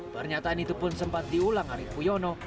pernyataan itu pun sempat diulang ariefo yuwono